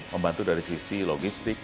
membantu dari sisi logistik